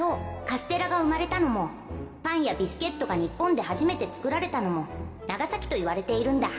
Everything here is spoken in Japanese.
カステラがうまれたのもパンやビスケットが日本ではじめてつくられたのも長崎といわれているんだ。